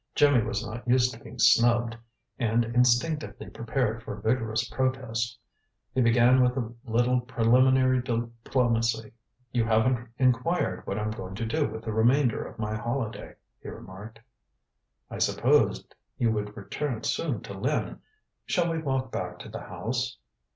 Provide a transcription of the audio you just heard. Jimmy was not used to being snubbed, and instinctively prepared for vigorous protest. He began with a little preliminary diplomacy. "You haven't inquired what I'm going to do with the remainder of my holiday," he remarked. "I supposed you would return soon to Lynn. Shall we walk back to the house?"